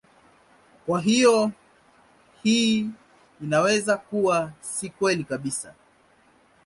Kwa hiyo hii inaweza kuwa si kweli kabisa.